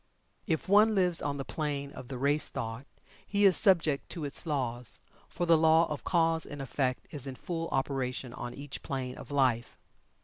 If one lives on the plane of the race thought, he is subject to its laws, for the law of cause and effect is in full operation on each plane of life.